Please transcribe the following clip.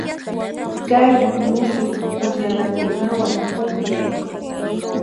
Kay musuq pukllanakunawan pukllay.